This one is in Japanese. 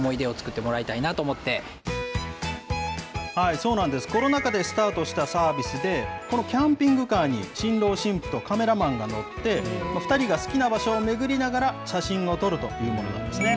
そうなんです、コロナ禍でスタートしたサービスで、このキャンピングカーに新郎新婦とカメラマンが乗って、２人が好きな場所を巡りながら写真を撮るというものなんですね。